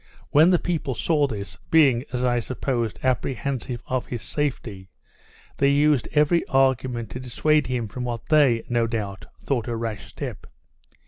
When the people saw this, being, as I supposed, apprehensive of his safety, they used every argument to dissuade him from what they, no doubt, thought a rash step.